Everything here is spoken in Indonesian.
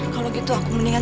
kalau gitu aku mendingan